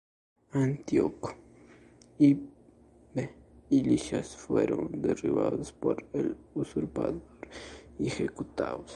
Antíoco V y Lisias fueron derribados por el usurpador y ejecutados.